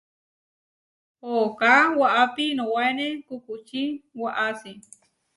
Ooká waʼapi inuwaéne kukučí waʼasi.